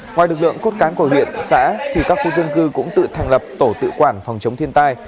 ngoài lực lượng cốt cán của huyện xã thì các khu dân cư cũng tự thành lập tổ tự quản phòng chống thiên tai